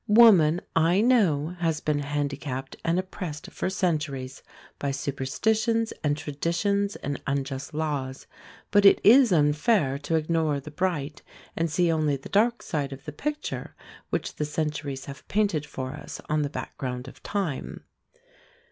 Woman, I know, has been handicapped and oppressed for centuries by superstitions, and traditions, and unjust laws; but it is unfair to ignore the bright, and see only the dark side of the picture, which the centuries have painted for us, on the background of time.